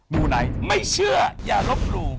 มูไนท์ไม่เชื่ออย่าลบหลู่